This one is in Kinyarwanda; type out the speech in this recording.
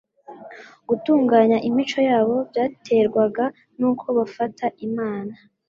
Gutunganya imico yabo byaterwaga n' uko bafata Imana.